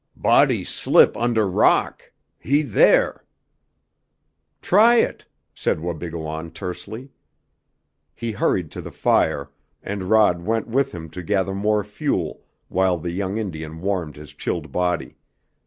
"Body slip under rock. He there!" "Try it!" said Wabigoon tersely. He hurried to the fire, and Rod went with him to gather more fuel while the young Indian warmed his chilled body.